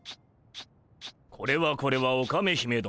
これはこれはオカメ姫殿。